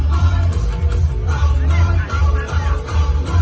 มันเป็นเมื่อไหร่แล้ว